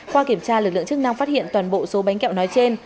qua kiểm tra lực lượng chức năng phát hiện toàn bộ số bánh kẹo nói trên